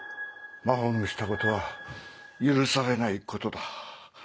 真帆のしたことは許されないことだ。